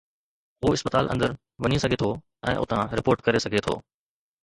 هو اسپتال اندر وڃي سگهي ٿو ۽ اتان رپورٽ ڪري سگهي ٿو.